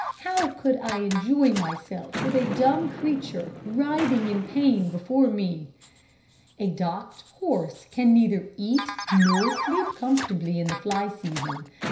How could I enjoy myself with a dumb creature writhing in pain before me? "A docked horse can neither eat nor sleep comfortably in the fly season.